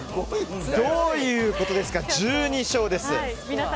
どういうことですか、１２勝です。